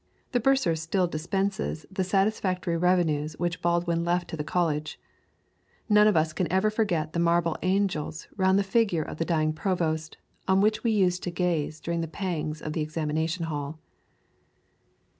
The Bursar still dispenses the satisfactory revenues which Baldwin left to the College. None of us ever can forget the marble angels round the figure of the dying Provost on which we used to gaze during the pangs of the Examination Hall.